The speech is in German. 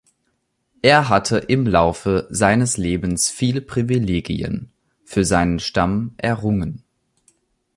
Er hatte im Laufe seines Lebens viele Privilegien für seinen Stamm errungen.